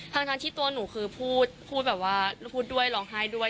ทั้งที่ตัวหนูคือพูดแบบว่าพูดด้วยร้องไห้ด้วย